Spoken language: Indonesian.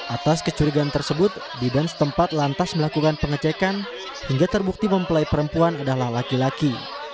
atas kecurigaan tersebut bidan setempat lantas melakukan pengecekan hingga terbukti mempelai perempuan adalah laki laki